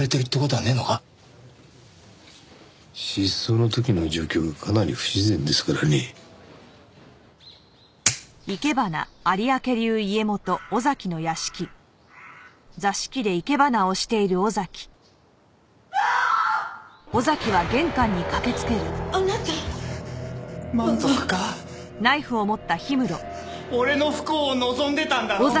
俺の不幸を望んでたんだろ？